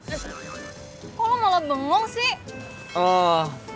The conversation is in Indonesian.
eh kok lo malah bengong sih